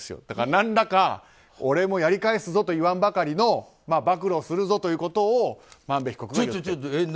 だから何らか俺もやり返すぞと言わんばかりの暴露するぞということを言っていて。